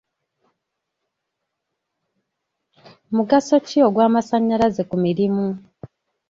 Mugaso ki ogw'amasannyalaze ku mirimu?